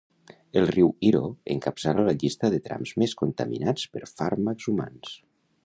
El riu Iro encapçala la llista de trams més contaminats per fàrmacs humans.